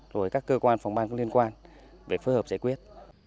rồi các cơ quan phòng bang có liên quan về phối hợp giải quyết